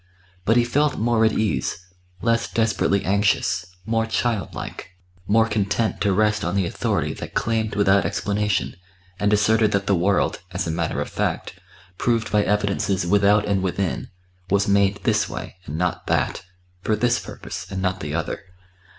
But he felt more at ease, less desperately anxious, more childlike, more content to rest on the authority that claimed without explanation, and asserted that the world, as a matter of fact, proved by evidences without and within, was made this way and not that, for this purpose and not the other.